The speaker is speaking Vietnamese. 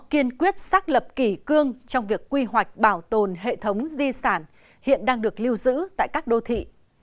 kiên quyết xác lập kỷ cương trong việc quy hoạch bảo tồn hệ thống di sản hiện đang được lưu giữ tại các đô thị